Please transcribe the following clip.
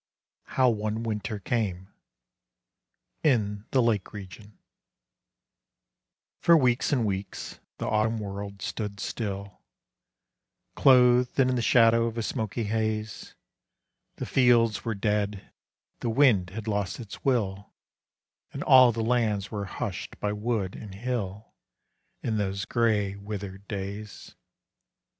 How One Winter Came IN THE LAKE REGION For weeks and weeks the autumn world stood still, Clothed in the shadow of a smoky haze; The fields were dead, the wind had lost its will, And all the lands were hushed by wood and hill, In those gray, withered days.